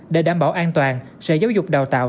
để đảm bảo an toàn sở giáo dục đào tạo